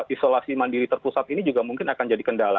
isolasi mandiri terpusat ini juga mungkin akan jadi kendala